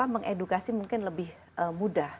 mengedukasi mungkin lebih mudah